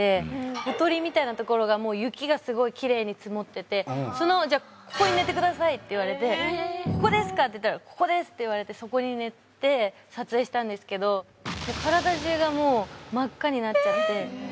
ほとりみたいなところがもう雪がきれいに積もっててそのじゃここに寝てくださいって言われてここですか？って言ったらここです！って言われてそこに寝て撮影したんですけど体中がもう真っ赤になっちゃって。